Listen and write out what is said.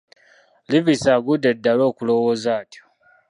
Livesey agudde ddalu okulowooza atyo?